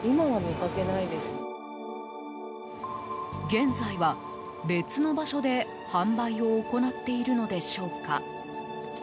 現在は、別の場所で販売を行っているのでしょうか。